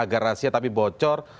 agar rahasia tapi bocor